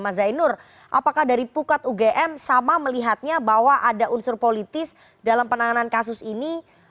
mas zainur apakah dari pukat ugm sama melihatnya bahwa ada unsur politis dalam penanganan kasus ini